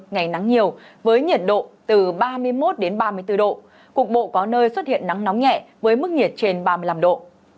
ngày nắng nhiều với nhiệt độ từ ba mươi một đến ba mươi bốn độ cục bộ có nơi xuất hiện nắng nóng nhẹ với mức nhiệt trên ba mươi năm độ